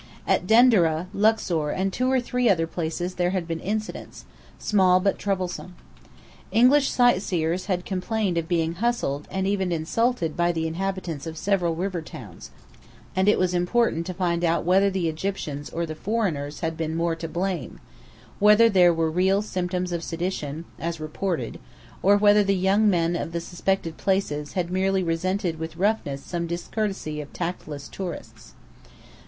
At Denderah, Luxor, and two or three other places there had been "incidents," small but troublesome. English sightseers had complained of being hustled, and even insulted by the inhabitants of several river towns, and it was important to find out whether the Egyptians or the foreigners had been more to blame; whether there were real symptoms of sedition, as reported, or whether the young men of the suspected places had merely resented with roughness some discourtesy of tactless tourists.